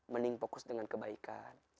mending fokus dengan kebaikan